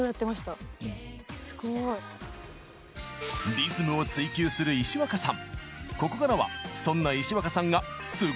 リズムを追求する石若さん。